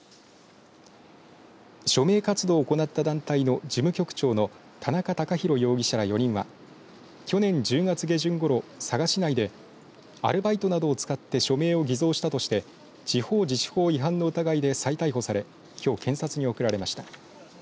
署名活動を行った団体の事務局長の田中孝博容疑者ら４人は去年１０月下旬ごろ佐賀市内でアルバイトなどを使って署名を偽造したとして地方自治法違反の疑いで再逮捕されきょう、検察に送られました。